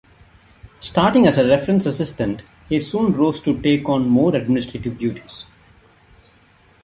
Starting as a reference assistant, he soon rose to take on more administrative duties.